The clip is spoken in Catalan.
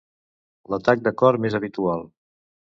L'atac de cor més habitual.